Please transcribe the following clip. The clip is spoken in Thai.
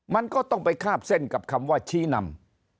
มันก็ต้องไปคาบเส้นกับคำว่าชี้นำ